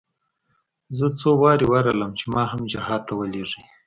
زه څو وارې ورغلم چې ما هم جهاد ته ولېږي.